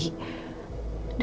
dan aku takut sama dia